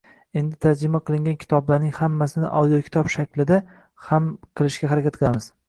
Endi tarjima qilingan kitoblarning hammasini audiokitob shaklida ham qilishga harakat qilamiz.